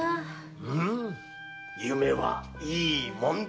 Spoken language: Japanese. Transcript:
うん夢はいいもんだ。